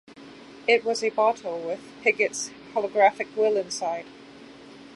It was a bottle with Piggott's holographic will inside.